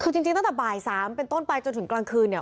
คือจริงตั้งแต่บ่ายสามใหม่ตัวไปจนกลางคืน